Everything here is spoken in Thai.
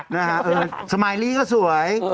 นะฮะเออสมายลี่ก็สวย